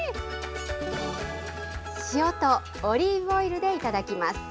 塩とオリーブオイルで頂きます。